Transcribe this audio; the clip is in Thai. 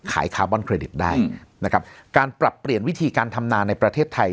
คาร์บอนเครดิตได้นะครับการปรับเปลี่ยนวิธีการทำนาในประเทศไทย